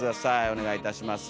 お願いいたします。